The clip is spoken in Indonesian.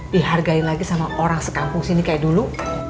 dihargai lagi sama orang sekampung sini kayak dulu